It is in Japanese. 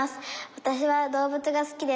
わたしは動物が好きです。